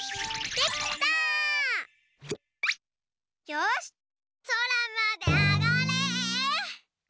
よしそらまであがれ！